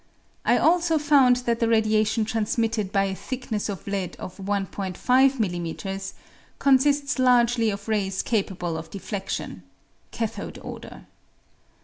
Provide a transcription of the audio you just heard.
I also found that the radiation transmitted by a thickness of lead of 1 5 m.m. consists largely of rays capable of defledion (cathode order).